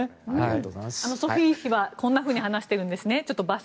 ソフィー妃はこんなふうにおっしゃっているんですね。